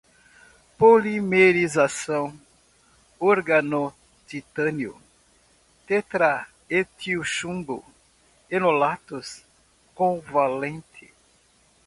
hidretos, diodos, semicondutores, hidretos, polimerização, organotitânio, tetraetilchumbo, enolatos, covalente